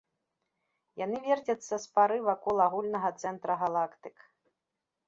Яны верцяцца з пары вакол агульнага цэнтра галактык.